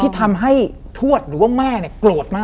ที่ทำให้ทวดหรือว่าแม่เนี่ยโกรธมาก